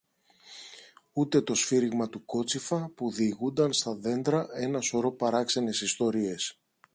ούτε το σφύριγμα του κότσυφα που διηγούνταν στα δέντρα ένα σωρό παράξενες ιστορίες.